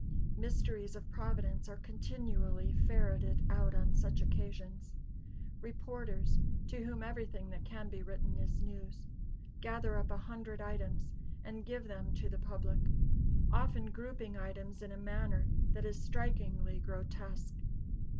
"Mysteries of Providence" are continually ferreted out on such occasions. Reporters, to whom everything that can be written is news, gather up a hundred items and give them to the public; often grouping items in a manner that is strikingly grotesque.